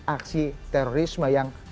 aksi terorisme yang